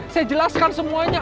saya jelaskan semuanya